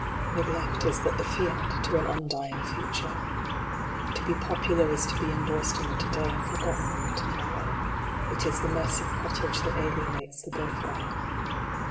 Neglect is but the fiat to an undying future. To be popular is to be endorsed in the To day and for. gotten in the To morrow. It is the mess of pottage that alienates the birth right.